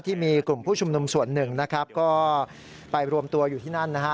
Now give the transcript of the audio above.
ที่มีกลุ่มผู้ชุมนุมส่วนหนึ่งนะครับก็ไปรวมตัวอยู่ที่นั่นนะฮะ